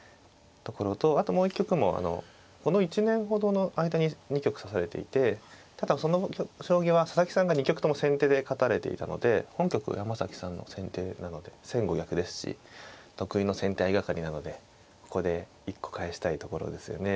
ところとあともう一局もこの１年ほどの間に２局指されていてただその将棋は佐々木さんが２局とも先手で勝たれていたので本局は山崎さんの先手なので先後逆ですし得意の先手相掛かりなのでここで１個返したいところですよね。